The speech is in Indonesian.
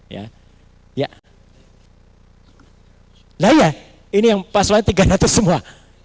ya nah iya ini yang pasalnya tiga ratus semua